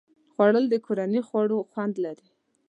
خوړل د کورني خواړو خوند لري